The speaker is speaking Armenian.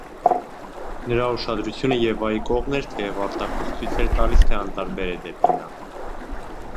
նրա ուշադրությունը Եվայի կողմն էր, թեև արտաքուստ ցույց էր տալիս, թե անտարբեր է դեպի նա: